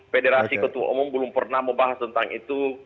federasi ketua umum belum pernah membahas tentang itu